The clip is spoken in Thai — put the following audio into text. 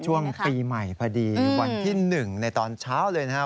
ช่วงปีใหม่พอดีวันที่๑ในตอนเช้าเลยนะครับ